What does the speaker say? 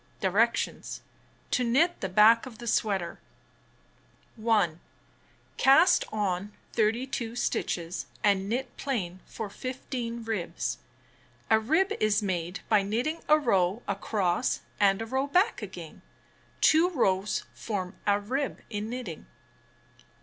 Directions : To Knit the Back of the Sweater 1, Cast on 32 stitches and knit plain for 15 ribs. A rib is made by knitting a row across and a row back again. Two rows form a rib in knitting.